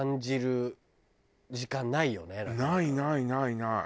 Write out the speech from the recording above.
ないないないない。